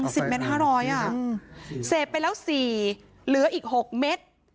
สิบเมตรห้าร้อยอ่ะอืมเสพไปแล้วสี่เหลืออีกหกเม็ด